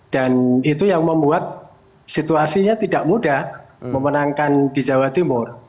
dan itu yang membuat situasinya tidak mudah memenangkan di jawa timur